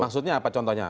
maksudnya apa contohnya